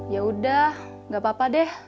yaudah nggak apa apa deh